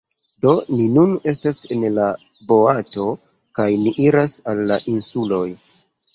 Do, ni nun estas en la boato kaj ni iras al la insuloj